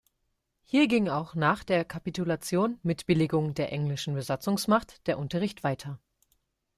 Hier ging auch nach der Kapitulation, mit Billigung der englischen Besatzungsmacht, der Unterricht weiter.